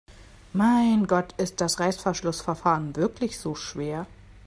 Mein Gott, ist das Reißverschlussverfahren wirklich so schwer?